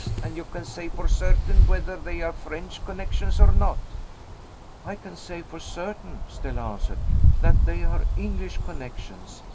and you can say for certain whether they are French connections or not?" "I can say for certain," Stella answered, "that they are English connections.